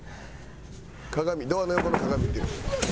鏡ドアの横の鏡見てる。